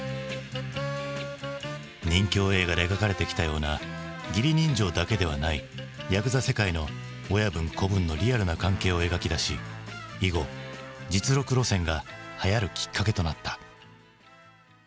任侠映画で描かれてきたような義理人情だけではないやくざ世界の親分子分のリアルな関係を描き出し以後実録路線がはやるきっかけとなった。